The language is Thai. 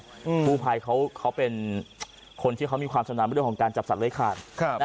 กู้ภัยเขาเป็นคนที่เขามีความสนามด้วยของการจับสัตว์ไว้ขาด